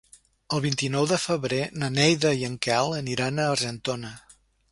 El vint-i-nou de febrer na Neida i en Quel aniran a Argentona.